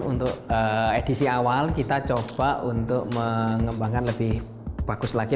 untuk edisi awal kita coba untuk mengembangkan lebih bagus lagi